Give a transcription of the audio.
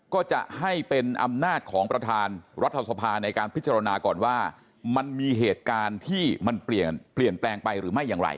ก็จะให้เป็นอำนาจของประธานรัฐสภาในการพิจารณาก่อนว่ามันมีเหตุการณ์ที่มันเปลี่ยนแปลงไปหรือไม่อย่างไร